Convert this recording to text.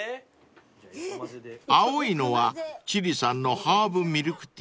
［青いのは千里さんのハーブミルクティー］